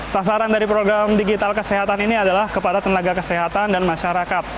sasaran dari program digital kesehatan ini adalah kepada tenaga kesehatan dan masyarakat